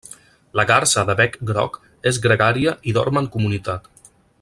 La garsa de bec groc és gregària i dorm en comunitat.